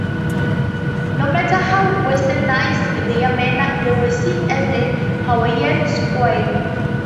No matter how Westernized their manners, they were seen as a Hawaiian squaw.